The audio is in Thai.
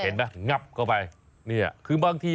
เห็นป่ะงับเข้าไปคือบางที่